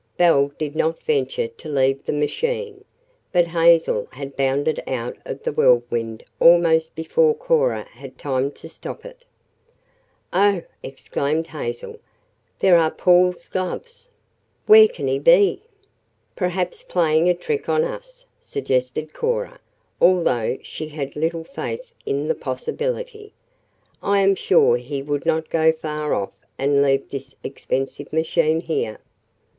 Belle did not venture to leave the machine, but Hazel had bounded out of the Whirlwind almost before Cora had time to stop it. "Oh," exclaimed Hazel, "there are Paul's gloves. Where can he be?" "Perhaps playing a trick on us," suggested Cora, although she had little faith in the possibility. "I am sure he would not go far off and leave this expensive machine here."